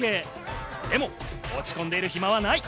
でも落ち込んでいる暇はない。